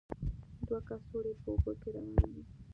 دوه کڅوړې په اوبو کې روانې وې.